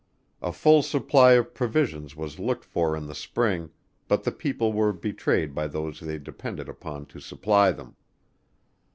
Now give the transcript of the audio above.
A full supply of provisions was looked for in the Spring, but the people were betrayed by those they depended upon to supply them.